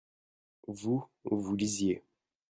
vous, vous lisiez.